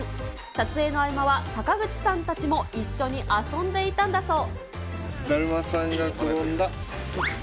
撮影の合間は坂口さんたちも一緒に遊んでいたんだそう。